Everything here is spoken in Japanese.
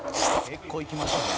「結構いきますね」